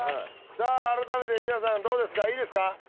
さあ改めて皆さんどうですかいいですか？